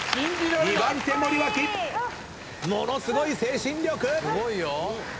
２番手森脇ものすごい精神力。